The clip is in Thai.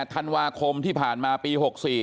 ธันวาคมที่ผ่านมาปี๖๔